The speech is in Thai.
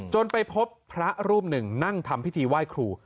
ไปพบพระรูปหนึ่งนั่งทำพิธีไหว้ครู